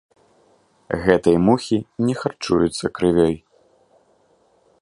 Гэтыя мухі не харчуюцца крывёй.